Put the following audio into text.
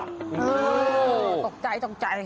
โอ้โฮตกใจ